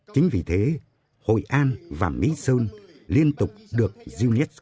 chính vì thế hội an và mỹ sơn liên tục đối xử với các di sản văn hóa thế giới